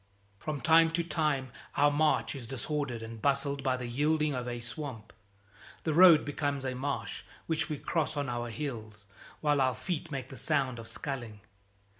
From time to time our march is disordered and bustled by the yielding of a swamp. The road becomes a marsh which we cross on our heels, while our feet make the sound of sculling.